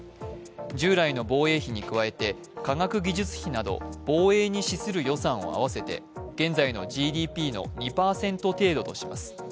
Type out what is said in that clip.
従来の防衛費に加えて科学技術費など防衛に資する予算を合わせて現在のＧＤＰ比の２％程度とします。